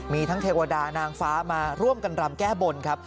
มีทั้งเทวดานางฟ้ามาร่วมกันรำแก้บนครับ